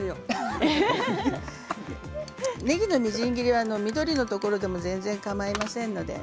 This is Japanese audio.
ねぎのみじん切りは緑のところでも全然かまいませんので。